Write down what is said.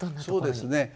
そうですね。